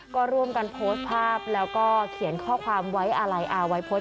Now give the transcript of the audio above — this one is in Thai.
ก็ร่วมกันโพสต์ภาพแล้วก็เขียนข้อความไว้อะไรไว้โพสต์